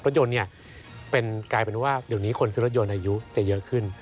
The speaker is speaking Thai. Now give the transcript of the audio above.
รถยนต์กลายเป็นว่าเดี๋ยวนี้คนซื้อรถยนต์อายุจะเยอะขึ้น